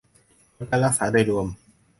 ผลการรักษาโดยรวม